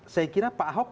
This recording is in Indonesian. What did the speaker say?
saya kira pak ahok